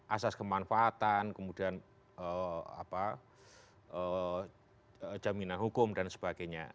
asas kemanfaatan kemudian jaminan hukum dan sebagainya